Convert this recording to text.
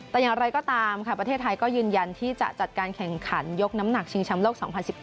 แต่อย่างไรก็ตามค่ะประเทศไทยก็ยืนยันที่จะจัดการแข่งขันยกน้ำหนักชิงชำโลก๒๐๑๘